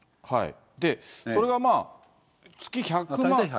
で、それがまあ月１００万。